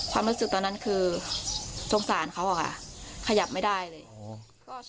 ความรู้สึกตอนนั้นคือสงสารเขาอะค่ะขยับไม่ได้เลย